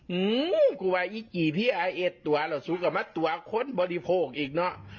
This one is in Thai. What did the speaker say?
นี้กูว่าอีไอต์ตัวเราสู้กับมันตัวคนบริโภคอีกเนาะ